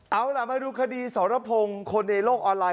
เอาล่ะมาดูคดีสรพงศ์คนในโลกออนไลน